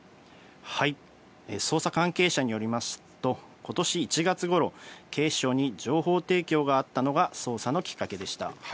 捜査関係者によりますと、ことし１月ごろ、警視庁に情報提供があったのが、捜査のきっかけでした。